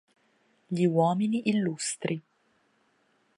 Gli uomini illustri.